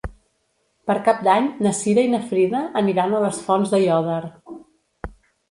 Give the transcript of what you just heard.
Per Cap d'Any na Cira i na Frida aniran a les Fonts d'Aiòder.